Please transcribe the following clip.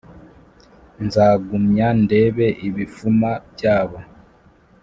Nzagumya ndebe ibifuma byabo